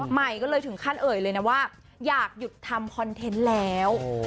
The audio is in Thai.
ใหม่ก็เลยถึงขั้นเอ่ยเลยนะว่าอยากหยุดทำคอนเทนต์แล้ว